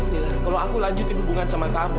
lila kalau aku lanjutin hubungan sama kamu